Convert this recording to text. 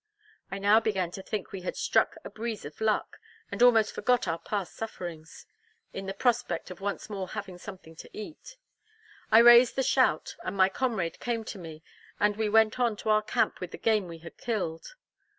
I now began to think we had struck a breeze of luck, and almost forgot our past sufferings, in the prospect of once more having something to eat. I raised the shout, and my comrade came to me, and we went on to our camp with the game we had killed.